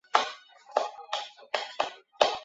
原票的颜色以红色为主。